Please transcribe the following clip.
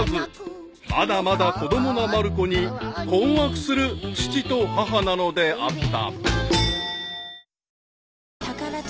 ［まだまだ子供なまる子に困惑する父と母なのであった］